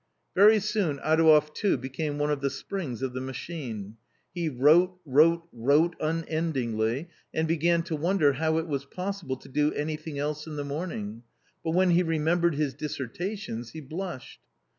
Very soon Adouev too became one of the springs of the machine. He wrote, wrote, wrote unendingly, and began to wonder how it was possible to do anything else in the morning; but when he remembered his dissertations, he blushed.